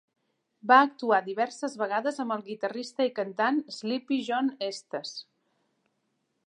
Va actuar diverses vegades amb el guitarrista i cantant Sleepy John Estes.